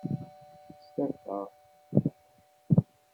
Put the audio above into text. Stafeɣ.